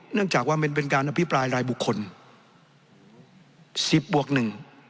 เนื่องจากว่ามันเป็นการอภิปรายรายบุคคล๑๐บวกหนึ่ง